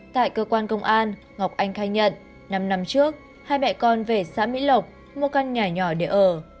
tại cơ quan công an ngọc anh khai nhận năm năm trước hai mẹ con về xã mỹ lộc mua căn nhà nhỏ để ở